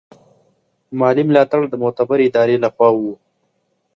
مالي ملاتړ د معتبرې ادارې له خوا و.